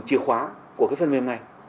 chìa khóa của cái phần mềm này